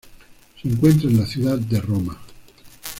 Se encuentra en la ciudad de Roma.